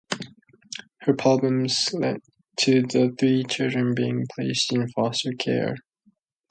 Her problems led to the three children being placed in foster care.